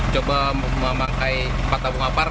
coba memakai empat tabung apar